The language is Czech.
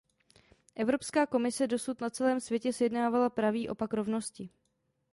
Evropská komise dosud na celém světě sjednávala pravý opak rovnosti.